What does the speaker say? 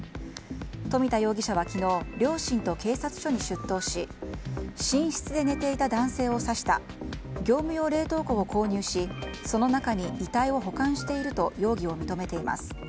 富田容疑者は昨日両親と警察署に出頭し寝室で寝ていた男性を刺した業務用冷凍庫を購入しその中に遺体を保管していると容疑を認めています。